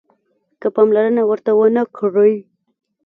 که پاملرنه ورته ونه کړئ